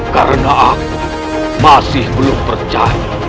karena aku masih belum percaya